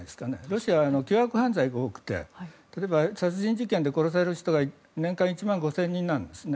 ロシアは凶悪犯罪が多くて例えば、殺人事件で殺される人が年間１万５０００人なんです。